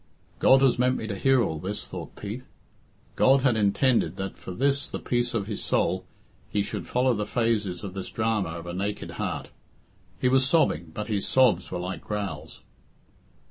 "God has meant me to hear all this," thought Pete. God had intended that for this, the peace of his soul, he should follow the phases of this drama of a naked heart. He was sobbing, but his sobs were like growls.